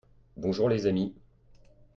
bonjour les amis.